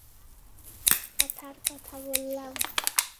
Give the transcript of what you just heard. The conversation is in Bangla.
কথার কথা বললাম।